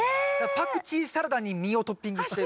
パクチーサラダに実をトッピングして。